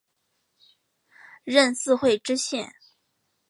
任四会知县。